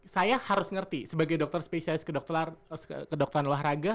saya harus ngerti sebagai dokter spesialis ke dokteran olahraga